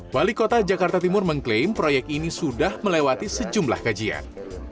wali kota jakarta timur mengklaim proyek ini sudah melewati sejumlah kajian